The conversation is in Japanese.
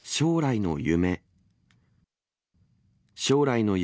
将来の夢。